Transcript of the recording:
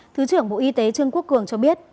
thứ trưởng bộ y tế trương quốc cường cho biết